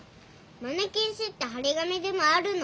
マネきん止ってはり紙でもあるの？